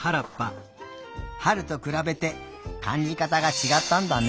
はるとくらべてかんじかたがちがったんだね。